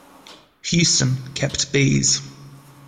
Huston kept bees.